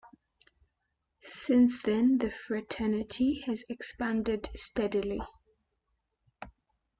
Since then the fraternity has expanded steadily.